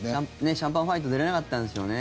シャンパンファイト出れなかったんですよね。